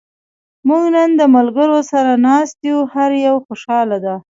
موږ نن د ملګرو سره ناست یو. هر یو خوشحاله دا.